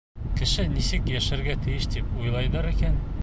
Кеше нисек йәшәргә тейеш тип уйлайҙар икән?